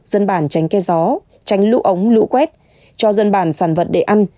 dân bản tránh khe gió tránh lũ ống lũ quét cho dân bản sản vật để ăn